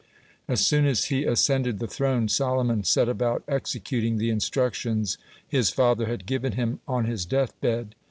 (3) As soon as he ascended the throne, Solomon set about executing the instructions his father had given him on his death bed.